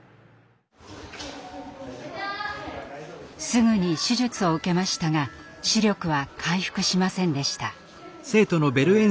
すぐに手術を受けましたが視力は回復しませんでした。